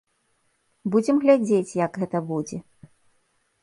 Будзем глядзець, як гэта будзе.